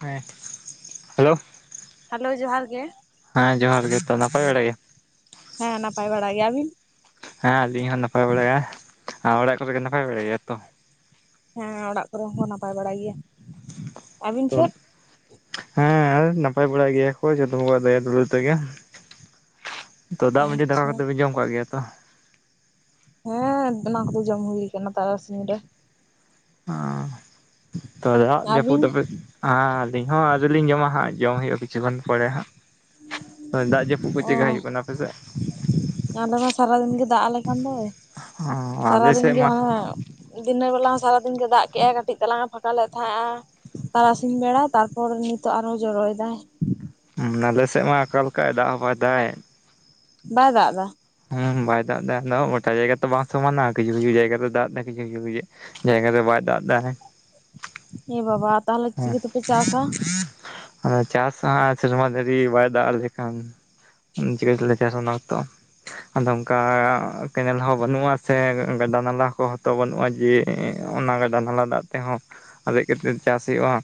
ᱦᱮᱸ hello. Hello ᱡᱚᱦᱟᱨ ᱜᱮ ᱾ ᱦᱮᱸ ᱡᱚᱦᱟᱨ ᱜᱮ ᱛᱚ ᱱᱟᱯᱟᱭ ᱵᱟᱲᱟ ᱜᱮᱭᱟ? ᱦᱮᱸ ᱱᱟᱯᱟᱭ ᱵᱟᱲᱟ ᱜᱮᱭᱟ ᱾ ᱟᱵᱤᱱ? ᱦᱮᱸ ᱟᱞᱤᱧ ᱦᱚᱸ ᱱᱟᱯᱟᱭ ᱵᱟᱲᱟᱭᱼᱭᱟ ᱾ ᱚᱲᱟᱜ ᱠᱚᱨᱮ ᱠᱚ ᱱᱟᱯᱟᱭ ᱵᱟᱲᱟᱭ ᱜᱮᱭᱟ ᱛᱚ? ᱦᱮᱸ ᱚᱲᱟᱜ ᱠᱚᱨᱮ ᱦᱚᱸ ᱠᱚ ᱱᱟᱯᱟᱭ ᱵᱟᱲᱟ ᱜᱮᱭᱟ ᱾ ᱛᱚᱱᱼᱼ ᱦᱮᱸ ᱱᱟᱯᱟᱭ ᱵᱟᱲᱟ ᱜᱮᱭᱟ ᱠᱚ ᱡᱚᱛᱚ ᱠᱚᱣᱟᱜ ᱫᱟᱭᱟ ᱫᱩᱞᱟᱹᱲ ᱛᱮᱜᱮ ᱾ ᱛᱚ ᱫᱟᱜ ᱢᱟᱺᱡᱷᱤ ᱫᱟᱠᱟ ᱟᱪᱪᱷᱟ᱾ ᱠᱚᱫᱚ ᱯᱮ ᱡᱚᱢ ᱠᱟᱜ ᱜᱮᱭᱟ ᱛᱚ? ᱦᱮᱸᱻ, ᱚᱱᱟ ᱠᱚ ᱫᱚ ᱡᱚᱢ ᱦᱩᱭ ᱠᱟᱱᱟ ᱛᱟᱨᱟᱥᱤᱧ ᱨᱮ᱾ ᱚᱸ ᱛᱚ ᱭᱟᱜ ᱡᱟᱯᱩ ᱟᱹᱵᱤᱱ? ᱛᱟᱯᱮ ᱟᱸᱼᱞᱤᱧ ᱦᱚᱸ ᱟᱫᱚ ᱞᱤᱧ ᱡᱚᱢᱟ ᱦᱟᱸᱜ, ᱡᱚᱢ ᱦᱩᱭᱩᱜᱼᱟ ᱠᱤᱪᱷᱩ ᱜᱟᱱ ᱯᱚᱨᱮ ᱦᱟᱸᱜ᱾ ᱚ ᱫᱟᱜ ᱡᱟᱯᱩᱯ ᱠᱚ ᱚ ᱪᱮᱠᱟ ᱦᱩᱭᱩᱜ ᱠᱟᱱᱟ ᱟᱯᱮ ᱥᱮᱜ? ᱟᱞᱮ ᱢᱟ ᱥᱟᱨᱟ ᱫᱤᱱ ᱜᱮ ᱫᱟᱜ ᱟᱞᱮ ᱠᱟᱱ ᱫᱚᱭ, ᱚ ᱟᱞᱮ ᱥᱟᱨᱟᱫᱤᱱ ᱥᱮᱫ ᱜᱮ ᱢᱟ ᱦᱟᱸ- ᱦᱟᱸᱜ ᱫᱤᱱᱟᱹ ᱵᱮᱞᱟ ᱶᱚ ᱥᱟᱨᱟᱫᱤᱱ ᱜᱮ ᱫᱟᱜ ᱠᱮᱜᱼᱟᱭ, ᱠᱟᱹᱴᱤᱡ ᱛᱟᱞᱟᱝᱮ ᱯᱷᱟᱠᱟ ᱞᱮᱫ ᱛᱷᱮᱸᱜᱼᱟ᱾ ᱛᱟᱨᱟᱥᱤᱧ ᱵᱮᱲᱟ ᱛᱟᱨᱯᱚᱨ ᱱᱤᱛᱚᱜ ᱟᱨᱦᱚᱸ ᱡᱚᱨᱚᱭ ᱫᱟᱭ᱾ ᱩᱸ ᱱᱟᱞᱮ ᱥᱮᱜ ᱢᱟ ᱟᱠᱟᱞᱠᱟᱜ ᱫᱟᱜ ᱦᱚ ᱵᱟᱭ ᱫᱟ ᱮᱫ᱾ ᱵᱟᱭ ᱫᱟᱜ ᱫᱟ? ᱦᱩᱸ ᱵᱟᱭ ᱫᱟᱜ ᱫᱟ ᱟᱫᱚ ᱜᱚᱴᱟ ᱡᱟᱭᱜᱟ ᱛᱚ ᱵᱟᱝ ᱥᱚᱢᱟᱱᱟ! ᱠᱤᱪᱩ-ᱠᱤᱪᱩ ᱡᱟᱭᱜᱟᱨ ᱫᱚ ᱫᱟᱜ ᱫᱟ, ᱠᱤᱥᱩ-ᱠᱤᱥᱩ ᱡᱟᱭᱜᱟ ᱫᱚ ᱵᱟᱭ ᱫᱟᱜ ᱫᱟ ᱦᱮᱸ ᱮ ᱵᱟᱵᱟ ᱛᱟᱦᱞᱮ ᱮᱸᱦ᱾ ᱟᱸ ᱪᱟᱥ ᱟᱸ ᱥᱮᱨᱢᱟ ᱡᱟᱹᱨᱤ ᱵᱟᱭ ᱫᱟᱜ ᱞᱮᱠᱷᱟᱱ, ᱩᱸ ᱪᱤᱠᱟᱹ ᱛᱮ ᱞᱮ ᱪᱟᱥ ᱚᱱᱟ ᱚᱠᱛᱚ? ᱟᱫᱚ ᱚᱝᱠᱟ ᱠᱮᱱᱮᱞ ᱦᱚᱸ ᱵᱟᱹᱱᱩᱜᱼᱟ ᱥᱮ ᱜᱟᱰᱟ-ᱱᱟᱞᱟ ᱠᱚᱦᱛᱚ ᱵᱟᱹᱱᱩᱜᱼᱟ ᱡᱮ ᱮᱸ ᱚᱱᱟ ᱜᱟᱰᱟ-ᱱᱟᱞᱟ ᱫᱟᱜ ᱛᱮᱦᱚᱸ ᱟᱨᱮᱡ ᱠᱟᱛᱮᱫ ᱪᱟᱥ ᱦᱩᱭᱩᱜᱼᱟᱸ᱾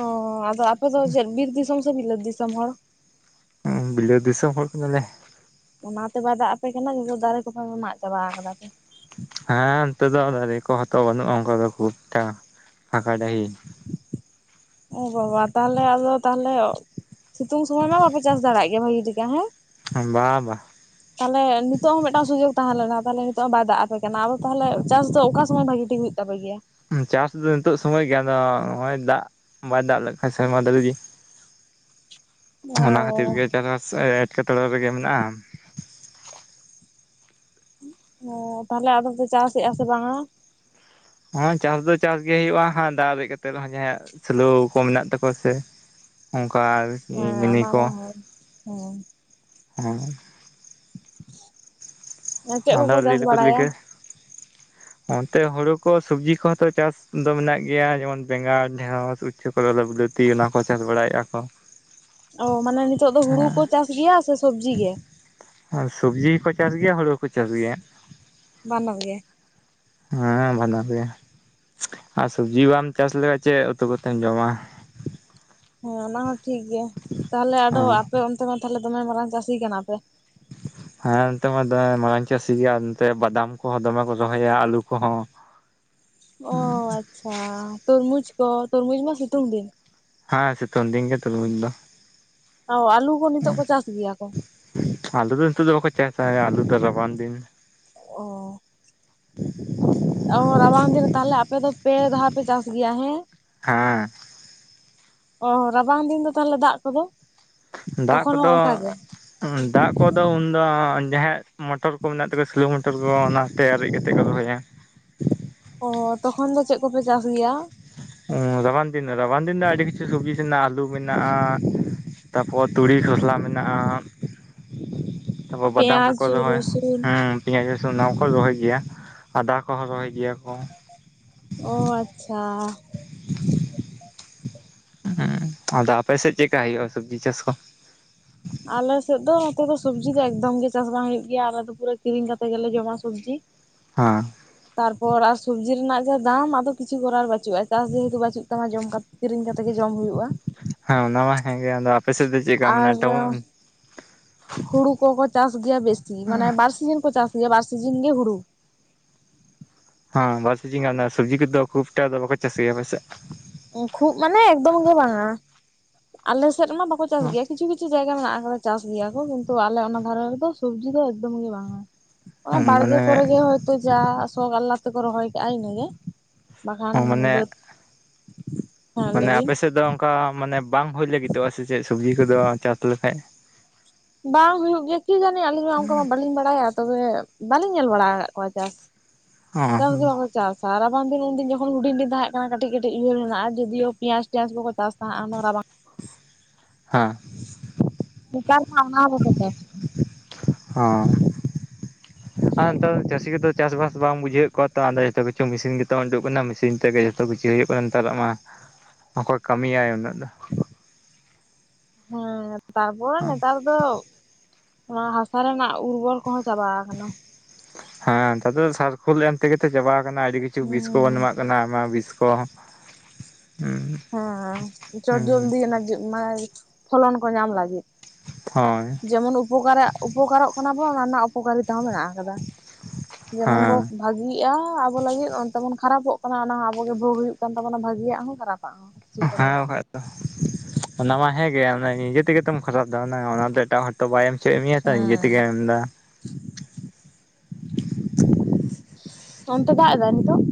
ᱚᱸ ᱟᱫᱚ ᱟᱯᱮ ᱫᱚ ᱪᱮᱫ 'ᱵᱤᱨ ᱫᱤᱥᱚᱢ' ᱥᱮ 'ᱵᱤᱞᱟᱹᱫ ᱫᱤᱥᱚᱢ' ᱦᱚᱲ? ᱩᱸ 'ᱵᱤᱞᱟᱹ' ᱫᱤᱥᱚᱢ ᱦᱚᱲ ᱠᱟᱱᱟᱞᱮ᱾ ᱚᱱᱟᱛᱮ ᱵᱟᱭ ᱫᱟᱜ ᱟᱯᱮ ᱠᱟᱱᱟ [inaudible] ᱫᱟᱨᱮ ᱠᱚᱯᱮᱸ ᱢᱟᱜ ᱪᱟᱵᱟᱣ ᱠᱟᱫᱟ ᱯᱮ᱾ ᱦᱮᱸ, ᱚᱱᱛᱮ ᱫᱚ ᱫᱟᱨᱮ ᱠᱚᱦᱚ ᱛᱚ ᱵᱟᱹᱱᱩᱜᱼᱟ, ᱚᱝᱠᱟ ᱫᱚ ᱠᱷᱩᱵᱴᱟ ᱯᱷᱟᱸᱠᱟ ᱰᱟᱦᱤ [inaudible] ᱚ ᱵᱟᱵᱟ ᱛᱟᱦᱞᱮ ᱟᱫᱚ, ᱛᱟᱦᱞᱮ ᱥᱤᱛᱩᱝ ᱥᱚᱢᱚᱭ ᱢᱟ ᱵᱟᱯᱮ ᱪᱟᱥ ᱫᱟᱲᱮᱜ ᱜᱮ ᱵᱷᱟᱜᱤ ᱴᱤᱠᱟ ᱦᱮᱸ? ᱩᱸ ᱵᱟ-ᱵᱟ᱾ ᱛᱟᱞᱮ ᱱᱤᱛᱚᱜ ᱦᱚᱸ ᱢᱮᱴᱟᱝ ᱥᱩᱡᱚᱠ ᱛᱟᱦᱮᱸ ᱞᱮᱱᱟ, ᱛᱟᱞᱮ ᱱᱤᱛᱚᱜ ᱚᱸ ᱵᱟᱭ ᱫᱟᱜ ᱟᱯᱮ ᱠᱟᱱᱟ᱾ ᱟᱫᱚ ᱛᱟᱦᱞᱮ ᱪᱟᱥ ᱫᱚ ᱚᱠᱟ ᱥᱚᱢᱚᱭ ᱵᱷᱟᱜᱤ ᱴᱤ ᱦᱩᱭᱩᱜ ᱛᱟᱯᱮ ᱜᱮᱭᱟ? ᱩᱸ ᱪᱟᱥ ᱫᱚ ᱱᱤᱛᱚᱜ ᱥᱚᱢᱚᱭ ᱜᱮ ᱟᱸᱫᱚ ᱦᱚᱸᱜᱼᱚᱭ ᱫᱟᱜ, ᱵᱟᱭ ᱫᱟᱜ ᱞᱮᱜᱠᱷᱟᱡ ᱥᱮᱣᱢᱟ ᱫᱟᱲᱤ ᱜᱤ! [inaudible] ᱚ ᱚᱱᱟ ᱦᱟᱛᱤᱨ ᱜᱮ ᱪᱟᱥ-ᱵᱟᱥ ᱮ ᱮᱴᱠᱮᱴᱚᱲᱮ ᱨᱮᱜᱮ ᱢᱮᱱᱟᱜᱼᱟ᱾ ᱚ ᱛᱟᱦᱞᱮ ᱟᱫᱚ ᱯᱮ ᱪᱟᱥᱮᱜᱼᱟ ᱥᱮ ᱵᱟᱝᱟ? ᱦᱚᱸ ᱪᱟᱥ ᱫᱚ ᱪᱟᱥ ᱜᱮ ᱣᱩᱭᱩᱜᱼᱟ ᱦᱟᱸ ᱫᱟ ᱟᱨᱮᱡ ᱠᱟᱛᱮᱜ ᱫᱚ ᱦᱟᱸᱜ ᱡᱟᱦᱟᱸᱭᱟᱜ ᱥᱳᱞᱳ ᱠᱚ ᱢᱮᱱᱟᱜ ᱛᱟᱠᱚᱣᱟ ᱥᱮ ᱚᱝᱠᱟ ᱟᱨᱠᱤ ᱚᱱᱟ ᱢᱤᱱᱤ ᱢᱟ ᱠᱚᱸ ᱦᱳᱭ ᱦᱚᱸ᱾ ᱟ ᱪᱮᱜ ᱟᱫᱚ ᱠᱚ-ᱠᱚ ᱪᱟᱥ ᱞᱟᱹᱭ ᱫᱚᱠᱚ ᱞᱟᱹᱭ ᱵᱟᱲᱟᱭᱟ? ᱜᱮ ᱚᱱᱛᱮ ᱦᱩᱲᱩ ᱠᱚ, ᱥᱩᱵᱽᱡᱤ ᱠᱚᱦᱚ ᱛᱚ ᱪᱟᱥ ᱫᱚ ᱢᱮᱱᱟᱜ ᱜᱮᱭᱟ ᱡᱮᱢᱚᱱ ᱵᱮᱸᱜᱟᱲ, ᱰᱷᱮᱬᱚᱥ, ᱩᱪᱪᱷᱚ ᱞᱚ-ᱞᱚ ᱩᱞᱟᱹᱛᱤ ᱚᱱᱟ ᱠᱚ ᱪᱟᱥ ᱵᱟᱲᱟᱭᱮᱜᱼᱟ ᱠᱚ᱾ ᱚ ᱢᱟᱱᱮ ᱱᱤᱛᱚᱜ ᱫᱚ ᱦᱩᱲᱩ ᱦᱮᱸ ᱠᱚ ᱪᱟᱥ ᱜᱮᱭᱟ ᱥᱮ ᱥᱚᱵᱽᱡᱤ ᱜᱮ? ᱟᱨ ᱥᱚᱵᱽᱡᱤ ᱠᱚ ᱪᱟᱥ ᱜᱮᱭᱟ, ᱦᱩᱲᱩ ᱣᱚᱠᱚ ᱪᱟᱥ ᱜᱮᱭᱟ᱾ ᱵᱟᱱᱟᱨ ᱜᱮ! ᱦᱮᱸ, ᱵᱷᱟᱱᱟᱨ ᱜᱮ ᱟᱨ ᱥᱚᱵᱽᱡᱤ ᱵᱟᱢ ᱪᱟᱥ ᱞᱮᱠᱷᱟᱡ ᱪᱮ ᱩᱛᱩ ᱠᱚᱛᱮᱢ ᱡᱚᱢᱟ? ᱦᱮᱸ, ᱚᱱᱟ ᱦᱚᱸ ᱴᱷᱤᱠ ᱜᱮ, ᱛᱟᱦᱞᱮ ᱟᱰᱚ ᱦᱮᱸ ᱟᱯᱮ ᱚᱱᱛᱮ ᱢᱟ ᱛᱷᱟᱞᱮ ᱫᱚᱢᱮ ᱢᱟᱨᱟᱝ ᱪᱟᱹᱥᱤ ᱠᱟᱱᱟ ᱯᱮ? [inaudible] ᱦᱮᱱᱛᱮ ᱢᱟ ᱫᱚᱢᱮ ᱢᱟᱨᱟᱝ ᱪᱟᱹᱥᱤ ᱜᱮ ᱟ ᱱᱚᱛᱮ ᱵᱟᱫᱟᱢ ᱠᱚᱦᱚᱸ ᱫᱚᱢᱮ ᱠᱚ ᱨᱚᱦᱚᱭᱟ, ᱟᱞᱩ ᱠᱚᱦᱚᱸ᱾ ᱚ ᱟᱪᱪᱷᱟ, ᱛᱚᱨᱢᱩᱡᱽ ᱠᱚ, ᱛᱚᱨᱢᱩᱡᱽ ᱢᱟ ᱥᱤᱛᱩᱝ ᱫᱤᱱ! ᱦᱮᱸᱻ, ᱥᱤᱛᱩᱱ ᱫᱤᱝ ᱜᱮ ᱛᱩᱨᱵᱩᱡ ᱫᱚ᱾ ᱚ ᱟᱞᱩ ᱠᱚ ᱱᱤᱛᱚᱜ ᱠᱚ ᱪᱟᱥ ᱜᱮᱭᱟ ᱠᱚ? ᱟᱞᱩ ᱫᱚ ᱣᱳᱛᱚᱜ ᱫᱚ ᱵᱟᱠᱚ ᱪᱟᱥᱟ, ᱟᱞᱩ ᱫᱚ ᱨᱟᱵᱟᱝ ᱫᱤᱱ᱾ ᱚᱻ᱾ ᱚᱻ ᱨᱟᱵᱟᱝ ᱫᱤᱱ ᱛᱟᱦᱞᱮ ᱟᱯᱮ ᱫᱚ ᱯᱮ ᱫᱷᱟᱣ ᱯᱮ ᱪᱟᱥ ᱜᱮᱭᱟ ᱦᱮᱸ? ᱦᱮᱸ᱾ ᱚ ᱨᱟᱵᱟᱝ ᱫᱤᱱ ᱫᱚ ᱛᱟᱦᱞᱮ ᱫᱟᱜ ᱠᱚᱫᱚ? ᱫᱟᱜ ᱛᱚᱠᱷᱚᱱ ᱦᱚᱸ ᱠᱚᱫᱚ? ᱚᱱᱠᱟ ᱜᱮ ᱫᱟᱜ ᱠᱚᱫᱚ ᱩᱱᱫᱚ ᱡᱟᱦᱟᱸᱭᱟᱜ ᱢᱚᱴᱚᱨ ᱠᱚ ᱢᱮᱱᱟᱜ ᱛᱟᱠᱚ ᱥᱮᱞᱚ ᱢᱚᱴᱚᱨ ᱠᱚ ᱚᱱᱟᱛᱮ ᱟᱨᱮᱡ ᱠᱟᱛᱮᱜ ᱠᱚ ᱨᱚᱦᱚᱭᱟ᱾ ᱚ ᱛᱚᱠᱷᱚᱱ ᱫᱚ ᱪᱮᱜ ᱠᱚᱯᱮ ᱪᱟᱥ ᱜᱮᱭᱟ? ᱦᱮᱸ ᱨᱟᱵᱟᱝ ᱫᱤᱱ ᱨᱟᱵᱟᱝ ᱫᱤᱱ ᱫᱚ ᱟᱹᱰᱤ ᱠᱤᱪᱷᱩ ᱥᱚᱵᱡᱤ ᱢᱮᱱᱟᱜᱼᱟ, ᱟᱹᱞᱩ ᱢᱮᱱᱟᱜᱼᱟ᱾ ᱛᱟᱨᱯᱚᱨ ᱛᱩᱲᱤ ᱠᱷᱚᱥᱞᱟ ᱢᱮᱱᱟᱜᱼᱟ᱾ ᱛᱟᱯᱚᱨ ᱵᱟᱫᱟᱢ ᱯᱮᱸᱭᱟᱡᱽ ᱠᱚᱠᱚ ᱨᱚᱦᱚᱭ ᱨᱚᱥᱩᱱ ᱦᱮᱸ᱾ ᱯᱮᱸᱭᱟᱡᱽ ᱨᱟᱥᱩᱱ ᱚᱱᱟ ᱠᱚ ᱨᱚᱦᱚᱭ ᱜᱮᱭᱟ, ᱟᱫᱟ ᱠᱚᱦᱚᱸ ᱨᱚᱦᱚᱭ ᱜᱮᱭᱟ ᱠᱚ᱾ ᱚᱻ ᱟᱪᱪᱷᱟ᱾ [inaudible] ᱩᱸ ᱟᱫᱚ ᱟᱯᱮ ᱥᱮᱜ ᱪᱮᱜᱠᱟ ᱦᱩᱭᱩᱜᱼᱟ ᱥᱚᱵᱽᱡᱤ ᱪᱟᱥ ᱠᱚ? ᱟᱞᱮ ᱥᱮᱫ ᱫᱚ ᱱᱚᱛᱮ ᱫᱚ ᱥᱚᱵᱽᱡᱤ ᱫᱚ ᱮᱠᱫᱚᱢ ᱜᱮ ᱪᱟᱥ ᱵᱟᱝ ᱦᱩᱭᱩᱜ ᱜᱮᱭᱟ᱾ ᱟᱞᱮ ᱫᱚ ᱯᱩᱨᱟᱹ ᱠᱤᱨᱤᱧ ᱠᱟᱛᱮ ᱜᱮᱞᱮ ᱡᱚᱢᱟ ᱥᱚᱵᱽᱡᱤ᱾ ᱦᱮᱸ᱾ ᱛᱟᱨᱯᱚᱨ ᱟᱨ ᱥᱚᱵᱽᱡᱤ ᱨᱮᱱᱟᱜ ᱡᱟ ᱫᱟᱢ ᱟᱫᱚ ᱠᱤᱪᱷᱩ ᱠᱚᱨᱟᱣ ᱵᱟᱪᱩᱜᱼᱟ ᱪᱟᱥ ᱡᱮᱦᱮᱛᱩ ᱵᱟᱪᱩᱜ ᱛᱟᱢᱟ ᱡᱚᱢ ᱠᱟᱛᱼᱼ ᱠᱤᱨᱤᱧ ᱠᱟᱛᱮ ᱜᱮ ᱡᱚᱢ ᱦᱩᱭᱩᱜᱼᱟ᱾ ᱦᱮᱸ ᱚᱱᱟ ᱢᱟ ᱦᱮᱸ ᱟᱫᱚ ᱟᱯᱮ ᱥᱮᱜ ᱫᱚᱼᱼ ᱟᱨ ᱦᱩᱲᱩ ᱠᱚᱠᱚ ᱪᱟᱥ ᱜᱮᱭᱟ, ᱵᱮᱥᱤ ᱢᱟᱱᱮ ᱵᱟᱨ ᱥᱤᱡᱤᱱ ᱠᱚ ᱪᱟᱥᱼᱼ ᱡᱮ ᱵᱟᱨ ᱥᱤᱡᱤᱱ ᱜᱮ ᱦᱩᱲᱩ᱾ ᱦᱮᱸ ᱵᱟᱨ ᱥᱤᱡᱤᱱ ᱜᱟᱱ ᱚᱱᱟ ᱥᱚᱵᱽᱡᱤ ᱠᱚᱫᱚ ᱠᱷᱩᱵ ᱴᱟᱜ ᱫᱚ ᱵᱟᱠᱚ ᱪᱟᱥ ᱜᱮᱭᱟ ᱯᱟᱥᱮᱜ? ᱠᱷᱩᱵ ᱢᱟᱱᱮ ᱮᱠᱫᱚᱢ ᱜᱮ ᱵᱟᱝᱼᱟ, ᱟᱞᱮ ᱥᱮᱜ ᱨᱮᱢᱟ ᱵᱟᱠᱚ ᱪᱟᱥ ᱜᱮ ᱠᱤᱪᱷᱩ ᱠᱤᱪᱷᱩᱼᱼ ᱠᱤᱪᱷᱩ ᱡᱟᱭᱜᱟ ᱢᱮᱱᱟᱜᱼᱟ, ᱟᱨᱦᱚᱸ ᱪᱟᱥ ᱜᱮᱭᱟ ᱠᱚ ᱠᱤᱱᱛᱩ ᱟᱞᱮ ᱚᱱᱟ ᱫᱷᱟᱨᱮ ᱨᱮᱫᱚ ᱥᱚᱵᱽᱡᱤ ᱫᱚ ᱮᱠᱫᱚᱢ ᱜᱮ ᱵᱟᱝᱼᱟ᱾ ᱚᱱᱟ ᱢᱟᱱᱮ ᱵᱟᱲᱜᱮ ᱠᱚᱨᱮ ᱜᱮ ᱦᱚᱭᱛᱚ ᱡᱟ ᱥᱚᱜ ᱟᱞᱞᱟ ᱛᱮᱠᱚ ᱨᱚᱦᱚᱭ ᱠᱟᱜᱼᱟ, ! ᱤᱱᱟᱹᱜᱮ᱾ ᱵᱟᱠᱷᱟᱱ ᱢᱟᱱᱮ ᱵᱟᱹᱫᱽ ᱦᱮᱸ ᱢᱟᱱᱮ ᱞᱟᱹᱭᱵᱤᱱ᱾ ᱟᱯᱮ ᱥᱮᱫ ᱫᱚ ᱚᱱᱠᱟ ᱢᱟᱱᱮ ᱵᱟᱝ ᱦᱩᱭ ᱞᱟᱹᱜᱤᱫᱚᱜᱼᱟ ᱥᱮ ᱪᱮᱜ ᱥᱚᱵᱽᱡᱤ ᱠᱚᱫᱚ ᱪᱟᱥ ᱞᱮᱠᱷᱟᱡᱼᱼ ᱵᱟᱝ ᱦᱩᱭᱩᱜ ᱜᱮᱭᱟ ᱠᱤ ᱡᱟᱹᱱᱤ ᱟᱹᱞᱤᱧ ᱢᱟ ᱚᱱᱠᱟ ᱢᱟ ᱵᱟᱹᱞᱤᱧ ᱵᱟᱲᱟᱭᱟ, ᱛᱚᱵᱮ ᱵᱟᱹᱞᱤᱧ ᱧᱮᱞ ᱵᱟᱲᱟ ᱟᱠᱟᱫ ᱠᱚᱣᱟ ᱪᱟᱥ᱾ ᱪᱟᱥ ᱦᱚᱸ ᱜᱮᱭᱟ ᱠᱚ᱾ ᱪᱟᱥᱟ ᱨᱟᱵᱟᱝ ᱫᱤᱱ ᱩᱱᱫᱤᱱ ᱡᱚᱠᱷᱚᱱ ᱦᱩᱰᱤᱧ ᱫᱤᱱ ᱛᱟᱦᱮᱸ ᱠᱟᱱᱟ ᱠᱟᱹᱴᱤᱡ ᱠᱟᱹᱴᱤᱡ ᱩᱭᱦᱟᱹᱨ ᱢᱮᱱᱟᱜᱼᱟ, ᱡᱚᱫᱤ ᱦᱚᱸ ᱯᱮᱸᱭᱟᱡᱽ ᱛᱮᱸᱭᱟᱡᱽ ᱠᱚᱠᱚ ᱪᱟᱥᱟ ᱛᱟᱦᱮᱸᱜᱼᱟ ᱚᱱᱟ ᱨᱟᱵᱟᱝᱼᱼ ᱦᱮᱸᱜ᱾ ᱱᱮᱛᱟᱨ ᱢᱟ ᱚᱱᱟ ᱦᱚᱸ ᱵᱟᱠᱚ ᱪᱟᱥᱮᱜᱼᱟ᱾ ᱦᱟᱸ ᱱᱮᱛᱟᱨ ᱫᱚ ᱪᱟᱹᱥᱤ ᱜᱮ ᱫᱚᱼᱼ ᱪᱟᱥ ᱵᱟᱥ ᱵᱟᱝ ᱵᱩᱡᱷᱟᱹᱣᱮᱜ ᱠᱚᱣᱟ ᱛᱟᱦᱞᱮ ᱡᱷᱚᱛᱚ ᱠᱤᱪᱷᱩ ᱢᱮᱥᱤᱱ ᱜᱮᱛᱚ ᱩᱰᱩᱠ ᱠᱟᱱᱟ, ᱢᱮᱥᱤᱱ ᱛᱮᱜᱮ ᱡᱚᱛᱚ ᱠᱤᱪᱷᱩ ᱦᱩᱭᱩᱜ ᱠᱟᱱ ᱱᱮᱛᱟᱨᱟᱜ ᱢᱟ᱾ ᱚᱠᱚᱭ ᱠᱟᱹᱢᱤᱭᱟᱭ ᱩᱱᱟᱹᱜ ᱫᱚ᱾ ᱦᱮᱸ ᱛᱟᱨᱯᱚᱨ ᱱᱮᱛᱟᱨ ᱫᱚ ᱚᱱᱟ ᱦᱟᱥᱟ ᱨᱮᱱᱟᱜ ᱩᱨᱵᱚᱨᱼᱼ ᱠᱚᱦᱚᱸ ᱪᱟᱵᱟ ᱟᱠᱟᱱᱟ᱾ ᱦᱮᱸ ᱱᱮᱛᱟᱨ ᱫᱚ ᱥᱟᱨᱠᱷᱩᱞ ᱮᱢ ᱛᱮᱜᱮ ᱛᱚ ᱪᱟᱵᱟ ᱟᱠᱟᱱᱟ ᱟᱹᱰᱤ ᱠᱤᱪᱷᱩ ᱵᱤᱥ ᱠᱚᱵᱚᱱ ᱦᱩᱸ ᱮᱢᱟᱜᱼᱼ ᱠᱟᱱᱟ, ᱟᱭᱢᱟ ᱵᱤᱥ ᱠᱚ᱾ ᱦᱩᱸ ᱦᱮᱸ ᱪᱚᱴ ᱦᱩᱸ ᱡᱚᱞᱫᱤ ᱚᱱᱟ ᱢᱟᱱᱮ ᱯᱷᱚᱞᱚᱱ ᱠᱚ ᱧᱟᱢ ᱞᱟᱹᱜᱤᱫ᱾ ᱦᱚᱭ᱾ ᱡᱮᱢᱚᱱ ᱩᱯᱚᱠᱟᱨᱟᱜ ᱩᱯᱚᱠᱟᱨᱚᱜ ᱠᱟᱱᱟ ᱵᱚᱱ, ᱚᱱᱟ ᱚᱯᱚᱠᱟᱨᱤᱛᱟ ᱦᱚᱸ ᱢᱮᱱᱟᱜ ᱟᱠᱟᱫᱟ, ᱡᱮᱢᱚᱱ ᱵᱚᱼᱼ ᱦᱮᱸ ᱵᱷᱟᱜᱤᱜᱼᱟ ᱟᱵᱚ ᱞᱟᱹᱜᱤᱫ ᱚᱱᱛᱮ ᱵᱚᱱ ᱠᱷᱟᱨᱟᱯᱚᱜ ᱠᱟᱱᱟ, ᱚᱱᱟ ᱦᱚᱸ ᱟᱵᱚ ᱜᱮ ᱵᱷᱚᱜ ᱦᱩᱭᱩᱜ ᱠᱟᱱ ᱛᱟᱵᱚᱱᱟ ᱵᱷᱟᱜᱤᱭᱟᱜ ᱦᱚᱸ ᱠᱷᱟᱨᱟᱯᱟᱜ ᱦᱚᱸ᱾ ᱠᱤᱪᱷᱩ ᱦᱮᱸ ᱠᱟᱨᱚᱱ ᱛᱮ᱾ ᱵᱟᱠᱷᱟᱡ ᱫᱚ ᱚᱱᱟ ᱢᱟ ᱦᱮᱸ ᱜᱮ ᱟᱫᱚ ᱱᱤᱡᱮ ᱛᱮᱜᱮ ᱛᱚᱢ ᱠᱷᱚᱨᱟᱯ ᱫᱟ ᱚᱱᱟ ᱫᱚ ᱮᱴᱟᱜ ᱦᱚᱲᱼᱼ ᱛᱚ ᱵᱟᱭ ᱮᱢ ᱦᱚᱪᱚᱭᱮᱜ ᱢᱮᱭᱟ ᱛᱚ ᱱᱤᱡᱮ ᱦᱮᱸ ᱛᱮᱜᱮᱢ ᱮᱢ ᱫᱟ᱾ [unintelligible] ᱚᱱᱛᱮ ᱫᱟᱜ ᱮᱫᱟ ᱱᱤᱛᱚᱜ?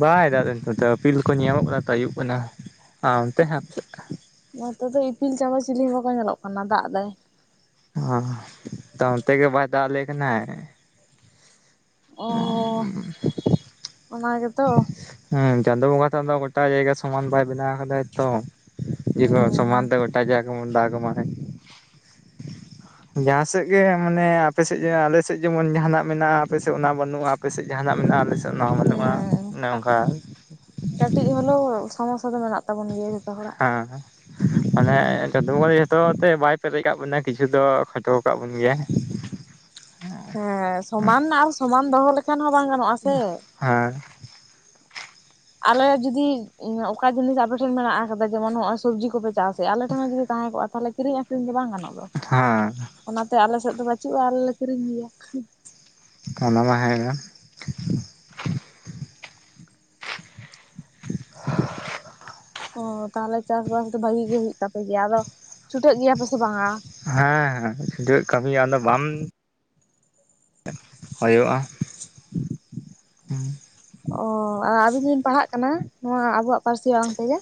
ᱵᱟᱭ ᱫᱟᱜᱮᱫ-ᱟ ᱱᱤᱛᱚᱜ ᱫᱚ᱾ ᱤᱯᱤᱞ ᱠᱚ ᱧᱟᱞᱚᱜ ᱠᱟᱱᱟ ᱛᱚ ᱟᱹᱭᱩᱵ ᱠᱟᱱᱟ᱾ ᱟ ᱚᱱᱛᱮ ᱱᱷᱟᱜ ᱱᱚᱛᱮ ᱫᱚ ᱤᱯᱤᱞ ᱪᱟᱸᱫᱚ ᱪᱤᱞᱤ ᱦᱚᱸ ᱵᱟᱠᱚ ᱧᱮᱞᱚᱜ ᱠᱟᱱᱟ ᱫᱟᱜ ᱫᱟᱭ᱾ ᱟᱸᱦ ᱛᱚ ᱱᱚᱱᱛᱮ ᱵᱟᱭ ᱫᱟᱜ ᱟᱞᱮ ᱠᱟᱱᱟᱭ᱾ ᱚᱻ ᱚᱱᱟ ᱜᱮᱛᱚ! ᱦᱩᱸ, ᱪᱟᱸᱫᱚ ᱵᱚᱸᱜᱟ ᱴᱟᱜ ᱫᱚ ᱜᱚᱴᱟ ᱡᱟᱭᱜᱟ ᱥᱚᱢᱟᱱ ᱵᱟᱭ ᱵᱮᱱᱟᱣ ᱟᱠᱟᱫᱟ ᱛᱚ᱾ [unintelligible] ᱥᱚᱢᱟᱱ ᱦᱩᱸ ᱛᱮ [unintelligible] ᱡᱟᱦᱟᱸ ᱥᱮᱫ ᱜᱮ ᱢᱟᱱᱮ ᱟᱯᱮᱥᱮᱫ ᱡᱟᱦᱟᱸ ᱟᱞᱮᱥᱮᱫ ᱡᱮᱢᱚᱱ ᱡᱟᱦᱟᱱᱟᱜ ᱢᱮᱱᱟᱜᱼᱟ ᱟᱯᱮᱥᱮᱫ ᱚᱱᱟ ᱵᱟᱹᱱᱩᱜᱼᱟ, ᱟᱯᱮᱥᱮᱫ ᱡᱟᱦᱟᱱᱟᱜ ᱢᱮᱱᱟᱜᱼᱟ ᱟᱞᱮᱥᱮ ᱱᱚᱶᱟ ᱦᱚᱸ ᱛᱚ ᱵᱟ ᱦᱮᱸ ᱱᱚᱝᱠᱟ᱾ ᱠᱟᱹᱴᱤᱡ ᱦᱩᱱᱟᱹᱝᱚᱜ, ᱥᱚᱢᱚᱥᱥᱟ ᱫᱚ ᱢᱮᱱᱟᱜ ᱛᱟᱵᱚᱱ ᱜᱮᱭᱟ ᱡᱷᱚᱛᱚ ᱦᱚᱲᱟᱜ᱾ ᱦᱟᱸ ᱦᱟᱸ᱾ ᱯᱟᱞᱮᱜ ᱪᱟᱸᱫᱚ ᱵᱚᱸᱜᱟ ᱫᱚ ᱡᱚᱛᱚ ᱦᱚᱲ ᱛᱮ ᱵᱟᱭ ᱯᱮᱨᱮᱡ ᱠᱟᱜ ᱵᱚᱱᱟ ᱠᱤᱪᱷᱩ ᱫᱚ ᱠᱷᱴᱚᱣ ᱟᱠᱟᱜ ᱵᱚᱱ ᱜᱮᱭᱟᱭ᱾ ᱦᱮᱸ, ᱥᱚᱢᱟᱱ ᱟᱨ ᱥᱚᱢᱟᱱ ᱫᱚᱦᱚ ᱞᱮᱠᱷᱟᱱ ᱦᱚᱸ ᱵᱟᱝ ᱜᱟᱱᱚᱜᱼᱟ ᱥᱮ᱾ ᱦᱟᱸ᱾ ᱟᱞᱮ ᱡᱩᱫᱤ ᱚᱠᱟ ᱡᱤᱱᱤᱥ ᱟᱯᱮ ᱴᱷᱮᱱ ᱢᱮᱱᱟᱜ-ᱟ, ᱥᱩᱫᱩ ᱡᱮᱢᱚᱱ ᱱᱚᱜ-ᱚᱭ ᱥᱚᱵᱽᱡᱤ ᱠᱚᱯᱮ ᱪᱟᱥᱮᱜᱼᱟ, ᱟᱞᱮ ᱴᱷᱮᱱ ᱦᱚᱸ ᱡᱩᱫᱤ ᱛᱟᱦᱮᱸ ᱠᱚᱜᱼᱟ ᱛᱟᱦᱞᱮ ᱠᱤᱨᱤᱧ ᱟᱹᱠᱷᱨᱤᱧ ᱫᱚ ᱵᱟᱝ ᱜᱟᱱᱚᱜ ᱫᱚ, ᱦᱮᱸ ᱚᱱᱟᱛᱮ ᱟᱞᱮ ᱥᱮᱫ ᱫᱚ ᱵᱟᱹᱪᱩᱜᱼᱟ ᱟᱞᱮ ᱞᱮ ᱠᱤᱨᱤᱧ ᱜᱮᱭᱟ᱾ ᱚᱱᱟ ᱢᱟ ᱦᱮᱸ ᱜᱮ᱾ [unintelligible] ᱦᱚᱸ ᱛᱟᱦᱞᱮ ᱪᱟᱥ ᱵᱟᱥ ᱫᱚ ᱵᱷᱟᱹᱜᱤ ᱜᱮ ᱦᱩᱭᱩᱜ ᱛᱟᱯᱮ ᱜᱮᱭᱟ, ᱟᱫᱚ ᱪᱷᱩᱴᱟᱹᱜ ᱜᱮᱭᱟ ᱯᱮ ᱥᱮ ᱵᱟᱝᱟ? ᱦᱮᱸ [unintelligible] ᱠᱟᱹᱢᱤ ᱟᱫᱚ ᱵᱟᱢ ᱦᱳᱭᱳᱜᱼᱟ᱾ ᱚ ᱟᱵᱤᱱ ᱫᱚᱵᱤᱱ ᱯᱟᱲᱦᱟᱜ ᱠᱟᱱᱟ, ᱱᱚᱶᱟ ᱟᱵᱚᱣᱟᱜ ᱯᱟᱹᱨᱥᱤ ᱟᱲᱟᱝ ᱛᱮᱜᱮ?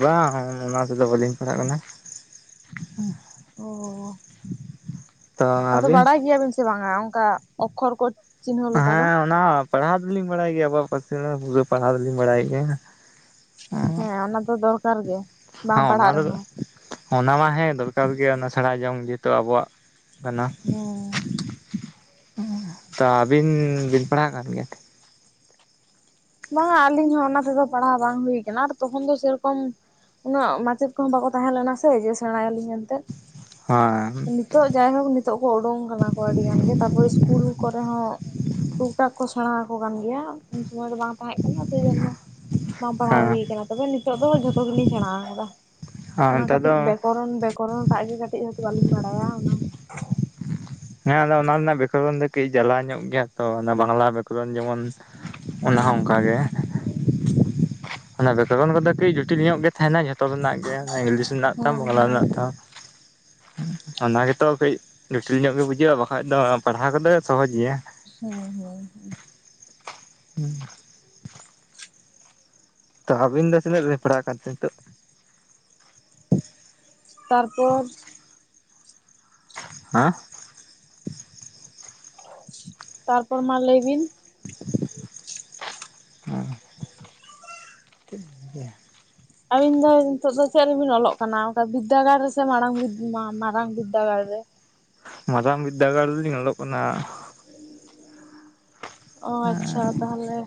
ᱵᱟᱝ ᱚᱱᱟ ᱛᱮᱫᱚ ᱵᱟᱹᱞᱤᱧ ᱯᱟᱲᱦᱟᱜ ᱠᱟᱱᱟ᱾ ᱚᱻ ᱛᱚ ᱟᱫᱚ ᱟᱹᱵᱤᱱ ᱵᱟᱲᱟᱭ ᱜᱮᱭᱟᱵᱤᱱ ᱥᱮ ᱵᱟᱝᱟ ᱚᱝᱠᱟ ᱚᱠᱷᱚᱨ ᱠᱚ ᱪᱤᱱᱦᱟᱹᱣ ᱞᱮᱠᱟ ᱫᱚ ᱦᱮᱸ ᱚᱱᱟ ᱯᱟᱲᱦᱟᱣ ᱫᱚᱞᱤᱧ ᱵᱟᱲᱟᱭ ᱜᱮᱭᱟ, ᱟᱵᱚᱣᱟᱜ ᱯᱟᱹᱨᱥᱤ ᱟᱹᱲᱟᱹ ᱯᱩᱨᱟᱹ ᱯᱟᱲᱦᱟᱣ ᱫᱚᱞᱤᱧ ᱵᱟᱲᱟᱭ ᱜᱮᱭᱟ᱾ ᱦᱮᱸ ᱚᱱᱟ ᱫᱚ ᱫᱚᱨᱠᱟᱨ ᱜᱮ ᱦᱮᱸ ᱵᱟᱢ ᱚᱱᱟ ᱯᱟᱲᱦᱟᱜ ᱫᱚ ᱨᱮᱦᱚᱸ᱾ ᱚᱱᱟ ᱢᱟ ᱦᱮᱸ ᱫᱚᱨᱠᱟᱨ ᱜᱮᱭᱟ, ᱚᱱᱟ ᱥᱮᱬᱟ ᱡᱚᱝ ᱡᱮᱦᱮᱛᱩ ᱟᱵᱚᱣᱟᱜ ᱠᱟᱱᱟ᱾ ᱦᱮᱸ ᱟᱹᱵᱤᱱ ᱵᱤᱱ ᱯᱟᱲᱦᱟᱣ ᱠᱟᱱ ᱜᱮᱭᱟ? ᱵᱟᱝᱟ ᱟᱹᱞᱤᱧ ᱦᱚᱸ ᱚᱱᱟ ᱛᱮᱫᱚ ᱯᱟᱲᱦᱟᱣ ᱵᱟᱝ ᱦᱩᱭ ᱠᱟᱱᱟ, ᱟᱨ ᱛᱚᱠᱷᱚᱱ ᱫᱚ ᱥᱮᱨᱚᱠᱚᱢ ᱩᱱᱟᱹᱜ ᱢᱟᱪᱮᱫ ᱠᱚᱦᱚᱸ ᱵᱟᱠᱚ ᱛᱟᱦᱮᱸ ᱞᱮᱱᱟ ᱥᱮ ᱡᱮ ᱥᱮᱬᱟᱭᱟᱹᱞᱤᱧ ᱢᱮᱱᱛᱮᱜ᱾ ᱦᱟᱸ᱾ ᱱᱤᱛᱚᱜ ᱡᱟᱭ ᱦᱳᱠ, ᱱᱤᱛᱚᱜ ᱠᱚ ᱚᱰᱚᱝ ᱟᱠᱟᱱᱟ ᱠᱚ ᱟᱹᱰᱤ ᱜᱟᱱ ᱜᱮ, ᱛᱟᱨᱯᱚᱨ ᱤᱥᱠᱩᱞ ᱠᱚᱨᱮ ᱦᱚᱸ ᱴᱩᱠ ᱴᱟᱠ ᱠᱚ ᱥᱮᱬᱟ ᱟᱠᱚ ᱠᱟᱱ ᱜᱮᱭᱟ, ᱩᱱ ᱥᱚᱢᱚᱭ ᱫᱚ ᱵᱟᱝ ᱛᱟᱦᱮᱸᱜ ᱠᱟᱱᱟ ᱥᱮ ᱡᱮᱱᱱᱚ᱾ ᱵᱟᱝ ᱯᱟᱲᱦᱟᱣ ᱦᱩᱭ ᱦᱮᱸ ᱟᱠᱟᱱᱟ, ᱛᱚᱵᱮ ᱱᱤᱛᱚᱜ ᱫᱚ ᱡᱚᱛᱚ ᱜᱮᱞᱤᱧ ᱥᱮᱬᱟ ᱟᱠᱟᱫᱟ᱾ ᱟᱨ ᱱᱮᱛᱟᱨ ᱫᱚ ᱠᱚᱨᱚᱱ ᱵᱮᱠᱚᱨᱚᱱ ᱴᱟᱜ ᱤᱫᱤ ᱠᱟᱛᱮᱫ ᱦᱟᱹᱯᱤ ᱧᱚᱜ ᱞᱤᱧ ᱵᱟᱲᱟᱭᱟ ᱚᱱᱟ᱾ ᱦᱮᱸ ᱟᱫᱚ ᱚᱱᱟ ᱨᱮᱱᱟᱜ ᱵᱮᱠᱚᱨᱚᱱ ᱫᱚ ᱠᱟᱹᱡ ᱡᱟᱞᱟ ᱧᱚᱜ ᱜᱮᱭᱟ ᱛᱚ᱾ ᱚᱱᱟ ᱵᱟᱝᱞᱟ ᱵᱮᱠᱚᱨᱚᱱ ᱡᱮᱢᱚᱱ ᱚᱱᱟ ᱦᱩᱸ ᱦᱚᱸ ᱚᱱᱠᱟ ᱦᱩᱸ ᱜᱮ᱾ ᱚᱱᱟ ᱵᱮᱠᱚᱨᱚᱱ ᱫᱚ ᱠᱟᱹᱡ ᱡᱚᱴᱤᱞ ᱧᱚᱜ ᱜᱮ ᱛᱟᱦᱮᱱᱟ᱾ ᱡᱷᱚ ᱛᱚ ᱨᱮᱱᱟᱜ ᱜᱮ, ᱱᱟ ᱤᱝᱞᱤᱥ ᱨᱮᱱᱟᱜ ᱛᱟᱢ, ᱦᱮᱸ ᱵᱟᱝᱞᱟ ᱨᱮᱱᱟᱜ ᱦᱮᱸ ᱛᱟᱢ᱾ ᱚᱱᱟ ᱜᱮᱛᱚ ᱠᱟᱹᱡ ᱡᱚᱴᱤᱞ ᱧᱚᱜ ᱜᱮ ᱵᱩᱡᱷᱟᱹᱜᱼᱟ, ᱵᱟᱠᱷᱟᱡ ᱫᱚ ᱯᱟᱲᱦᱟᱣ ᱠᱚ ᱫᱚ ᱥᱚᱦᱚᱡ ᱜᱮᱭᱟ᱾ ᱦᱳᱭ ᱦᱳᱭ ᱦᱳᱭ᱾ [unintelligible] ᱛᱚ ᱟᱹᱵᱤᱱ ᱫᱚ ᱛᱤᱱᱟᱹᱜ ᱵᱤᱱ ᱯᱟᱲᱦᱟᱣ ᱟᱠᱟᱫ ᱛᱮ ᱱᱤᱛᱚᱜ? ᱛᱟᱨᱯᱚᱨ ᱦᱟᱸ? ᱛᱟᱨᱯᱚᱨ ᱢᱟ ᱞᱟᱹᱭ ᱵᱤᱱ᱾ [unintelligible] ᱟᱵᱤᱱ ᱫᱚ ᱱᱤᱛᱚᱜ ᱫᱚ ᱪᱮᱜ ᱨᱮᱵᱤᱱ ᱚᱞᱚᱜ ᱠᱟᱱᱟ, ᱚᱝᱠᱟ ᱵᱤᱫᱽᱫᱟᱹᱜᱟᱲ ᱨᱮᱥᱮ ᱢᱟᱲᱟᱲᱝ ᱵᱤᱫ ᱢᱟᱨᱟᱝ ᱵᱤᱫᱽᱫᱟᱹᱜᱟᱲ ᱨᱮ? ᱢᱟᱨᱟᱝ ᱵᱤᱫᱽᱫᱟᱹᱜᱟᱲ ᱨᱮᱞᱤᱧ ᱚᱞᱚᱜ ᱠᱟᱱᱟ᱾ ᱚ ᱟᱪᱪᱷᱟ ᱛᱟᱦᱟᱞᱮ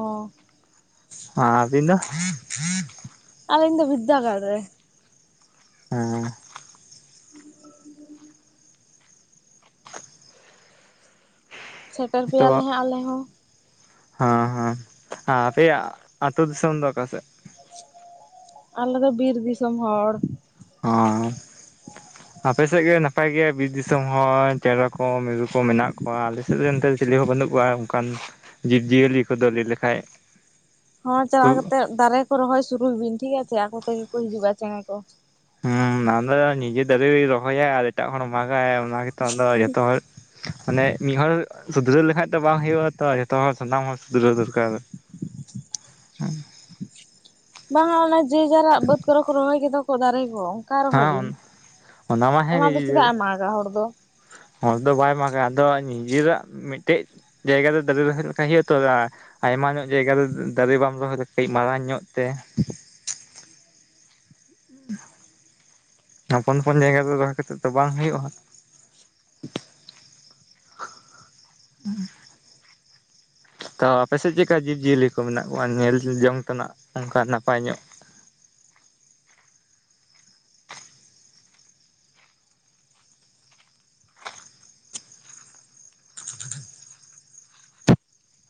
ᱚ᱾ ᱟᱵᱤᱱ ᱫᱚ? ᱟᱞᱤᱧ ᱫᱚ ᱵᱤᱫᱽᱫᱟᱹᱜᱟᱲ ᱨᱮ᱾ ᱦᱮᱸ᱾ [inaudible] ᱥᱮᱴᱮᱨ ᱯᱮᱭᱟᱞᱮ ᱦᱟᱸᱜ ᱟᱞᱮ ᱦᱚᱸ᱾ ᱦᱚᱸ ᱦᱚᱸ᱾ ᱟ ᱟᱯᱮᱭᱟᱜ ᱟᱛᱳ ᱫᱤᱥᱚᱢ ᱫᱚ ᱚᱠᱟᱥᱮᱜ? ᱟᱞᱮ ᱫᱚ ᱵᱤᱨ ᱫᱤᱥᱚᱢ ᱦᱚᱲ᱾ ᱦᱚᱸ᱾ ᱟᱯᱮ ᱥᱮᱜ ᱜᱮ ᱱᱟᱯᱟᱭ ᱜᱮᱭᱟ ᱵᱤᱨ ᱫᱤᱥᱚᱢ ᱦᱚᱭ᱾ ᱪᱮᱬᱮ ᱠᱚ ᱢᱤᱨᱩ ᱠᱚ ᱢᱮᱱᱟᱜ ᱠᱚᱣᱟ᱾ ᱟᱞᱮ ᱥᱮᱫ ᱨᱮ ᱚᱱᱛᱮ ᱪᱤᱞᱤ ᱦᱚᱸ ᱵᱟᱹᱱᱩᱜ ᱠᱚᱣᱟ ᱚᱱᱠᱟᱱ ᱡᱤᱵᱽᱼᱡᱤᱭᱟᱹᱞᱤ ᱠᱚᱫᱚ ᱞᱟᱹᱤ ᱞᱮᱠᱷᱟᱱᱡ᱾ ᱦᱚᱸ ᱪᱟᱞᱟᱣ ᱠᱟᱛᱮᱜ ᱫᱟᱨᱮ ᱠᱚ ᱨᱚᱦᱚᱭ ᱥᱩᱨᱩᱭ ᱵᱤᱱ ᱴᱷᱤᱠ ᱟᱪᱷᱮ, ᱟᱠᱚᱛᱜᱮ ᱠᱚ ᱦᱤᱡᱩᱜᱼᱟ ᱪᱮᱬᱮᱸ ᱠᱚ᱾ ᱦᱮᱸ ᱟᱫᱚ ᱱᱤᱡᱮ ᱫᱟᱨᱮ ᱨᱚᱦᱚᱭᱟ ᱟᱨ ᱮᱴᱟᱜ ᱦᱚᱲ ᱢᱟᱜᱟᱭ, ᱚᱱᱟ ᱜᱮᱛᱚ ᱟᱫᱚ ᱡᱷᱚᱛᱚ ᱦᱚᱲ ᱢᱟᱱᱮ ᱢᱤᱫᱦᱚᱲ ᱥᱩᱫᱷᱨᱟᱹᱣ ᱞᱮᱠᱷᱟᱡ ᱫᱚ ᱵᱟᱝ ᱦᱩᱭᱩᱜᱼᱟ ᱛᱚ, ᱡᱷᱚᱛᱚ ᱦᱚᱲ ᱥᱟᱱᱟᱢ ᱦᱚᱲ ᱥᱩᱫᱷᱨᱟᱹᱣ ᱫᱚᱨᱠᱟᱨ᱾ [inaudible] ᱦᱮᱸ᱾ ᱵᱟᱝᱟ ᱚᱱᱟ ᱡᱮᱡᱟᱨᱟᱜ ᱵᱟᱹᱫᱽ ᱠᱚᱨᱮ ᱠᱚ ᱨᱚᱦᱚᱭ ᱠᱮᱫᱟ ᱠᱚ ᱫᱟᱨᱮ ᱠᱚ᱾ ᱠᱟ ᱨᱚᱦᱚᱭ ᱵᱤᱱ᱾ ᱦᱮᱸ ᱢᱟ ᱦᱮᱸ ᱚᱱᱟ ᱫᱚ ᱜᱮ ᱪᱮᱫᱟᱜ-ᱮ ᱢᱟᱜ-ᱟ ᱦᱚᱲ ᱫᱚ᱾ ᱦᱚᱲ ᱫᱚ ᱵᱟᱭ ᱢᱟᱜ-ᱟ, ᱟᱫᱚ ᱱᱤᱡᱮᱨᱟᱜ ᱢᱤᱫᱴᱮᱡ ᱡᱟᱭᱜᱟ ᱛᱮ ᱫᱟᱨᱮ ᱨᱚᱦᱚᱭ ᱞᱮᱠᱷᱟᱡ ᱦᱩᱭᱩᱜ ᱛᱚ ᱟ ᱟᱭᱢᱟ ᱧᱚᱜ ᱡᱟᱭᱜᱟ ᱨᱮ ᱫᱟᱨᱮ ᱵᱟᱢ ᱨᱚᱦᱚᱭ ᱠᱟᱹᱡ ᱢᱟᱨᱟᱝᱧᱚᱜ ᱛᱮ᱾ ᱦᱚᱯᱚᱱ ᱦᱚᱯᱚᱱ ᱡᱟᱭᱜᱟ ᱨᱮᱫᱚ ᱨᱚᱦᱚᱭ ᱠᱟᱛᱮ ᱫᱚ ᱵᱟᱝ ᱦᱩᱭᱩᱜᱼᱟ ᱦᱟᱸᱜ᱾ ᱛᱚ ᱟᱯᱮᱥᱮᱫ ᱪᱮᱫᱠᱟ ᱡᱤᱵᱽᱡᱤᱭᱟᱹᱞᱤ ᱠᱚ ᱢᱮᱱᱟᱜ ᱠᱚᱣᱟ? ᱧᱮᱞ ᱡᱚᱝ ᱛᱮᱱᱟᱜ ᱚᱱᱠᱟ ᱱᱟᱯᱟᱭ ᱧᱚᱜ?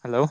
ᱦᱮᱞᱳ᱾